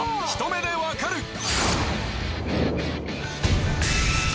ひと目でわかる‼